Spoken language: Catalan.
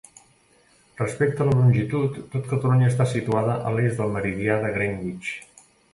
Respecte a la longitud, tot Catalunya està situada a l'est del meridià de Greenwich.